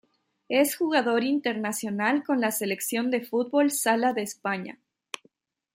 Es jugador internacional con la Selección de fútbol sala de España.